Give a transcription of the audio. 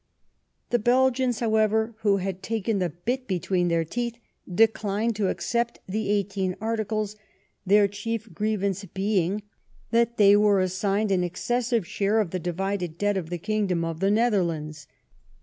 The Belgians, however, who had taken the bit between their teeth, declined to accept the Eighteen Articles, their chief grievance being that they were assigned an excessive share of the divided debt of the kingdom of the Netherlands.